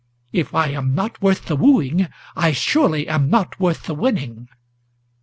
If I am not worth the wooing, I surely am not worth the winning!"